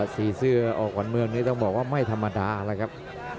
สีเสื้อออกขวัญเมืองนี้ต้องบอกว่าไม่ธรรมดาแล้วครับ